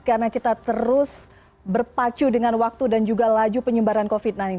karena kita terus berpacu dengan waktu dan juga laju penyebaran covid sembilan belas